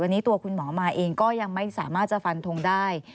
วันนี้ตัวคุณหมอมาเองก็ยังไม่สามารถจะฟันทงได้